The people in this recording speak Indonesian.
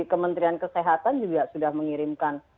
kementerian kesehatan juga sudah mengirimkan